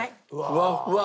ふわっふわ。